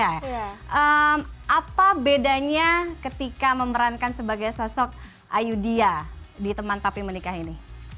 apa bedanya ketika memerankan sebagai sosok ayudhya di teman tapi menikah ini